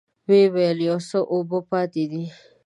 ويې ويل: يو څه اوبه پاتې دي.